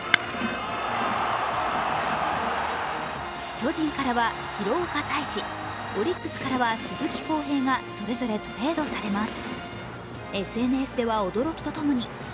巨人からは廣岡大志、オリックスからは鈴木康平がそれぞれトレードされます。